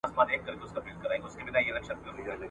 دوست ته حال وایه دښمن ته لافي وهه ..